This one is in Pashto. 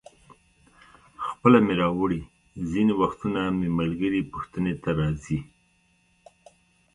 خپله مې راوړي، ځینې وختونه مې ملګري پوښتنې ته راځي.